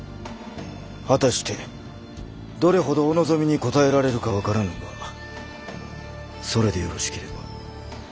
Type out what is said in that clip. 果たしてどれほどお望みに応えられるか分からぬがそれでよろしければ。